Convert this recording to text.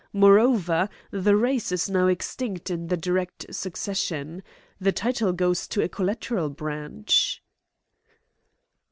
Moreover, the race is now extinct in the direct succession. The title goes to a collateral branch."